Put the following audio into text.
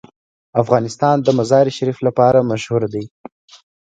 افغانستان د مزارشریف لپاره مشهور دی.